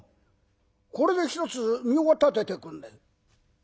これでひとつ身を立ててくんねえ。